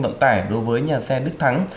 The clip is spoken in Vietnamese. vận tài đối với nhà xe đức thắng